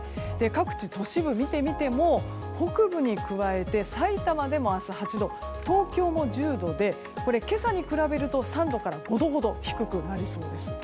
各地、都市部を見てみても北部に加えてさいたまでも明日、８度東京も１０度で今朝に比べると３度から５度ほど低くなりそうです。